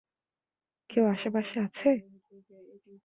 কেউ আশেপাশে আছে?